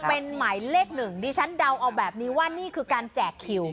เป็นหมายเลขหนึ่งดิฉันเดาเอาแบบนี้ว่านี่คือการแจกคิว